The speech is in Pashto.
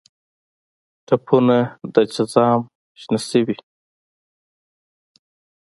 ټپونه د جزام شنه شوي